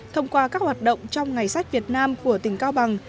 thông qua các hoạt động trong ngày sách việt nam của tỉnh cao bằng